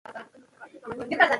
دوی به د خدای مرغان ګوري.